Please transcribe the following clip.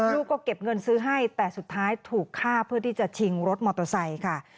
ลูกก็เก็บเงินซื้อให้แต่สุดท้ายถูกฆ่าเพื่อที่จะชิงรถมอเตอร์ไซค์ค่ะ